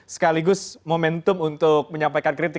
sekaligus momentum untuk menyampaikan kritik